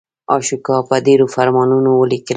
اشوکا په ډبرو فرمانونه ولیکل.